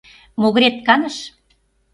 Могырет каныш?